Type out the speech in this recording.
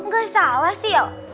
gak salah siel